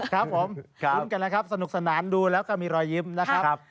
ครับผมคุ้นกันนะครับสนุกสนานดูแล้วก็มีรอยยิ้มนะครับ